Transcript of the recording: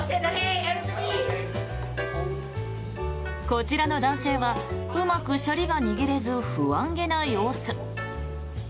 こちらの男性はうまくシャリが握れず不安げな様子。